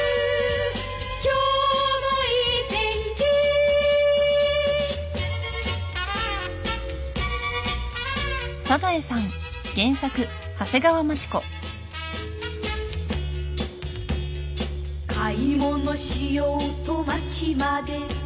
「今日もいい天気」「買い物しようと街まで」